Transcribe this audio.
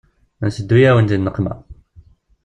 Nteddu-yawen di nneqma.